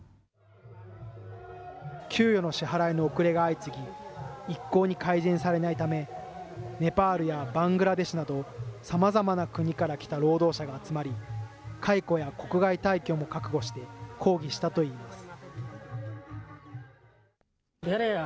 給与の支払いの遅れが相次ぎ、いっこうに改善されないため、ネパールやバングラデシュなど、さまざまな国から来た労働者が集まり、解雇や国外退去も覚悟して抗議したといいます。